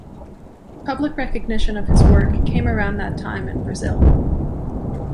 Public recognition of his work came around that time in Brazil.